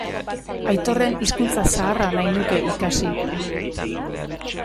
Aitorren hizkuntza zaharra nahi nuke ikasi.